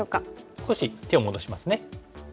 少し手を戻しますね。